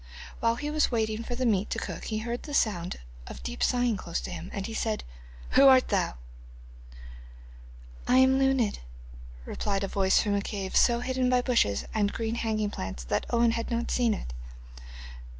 While he was waiting for the meat to cook he heard a sound of deep sighing close to him, and he said: 'Who are thou?' 'I am Luned,' replied a voice from a cave so hidden by bushes and green hanging plants that Owen had not seen it.